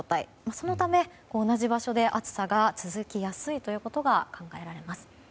そのため、同じ場所で暑さが続きやすいということが考えられます。